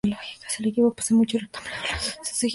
El equipo posee mucho renombre en la región por sus seguidores.